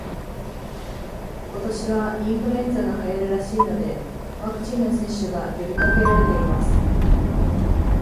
今年はインフルエンザが流行るらしいので、ワクチンの接種が呼びかけられています